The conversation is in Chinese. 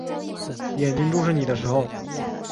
眼睛注视你的时候